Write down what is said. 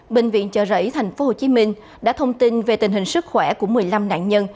bệnh viện chợ rẫy tp hcm đã thông tin về tình hình sức khỏe của một mươi năm nạn nhân